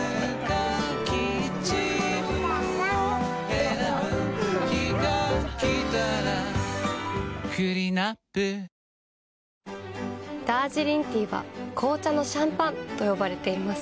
選ぶ日がきたらクリナップダージリンティーは紅茶のシャンパンと呼ばれています。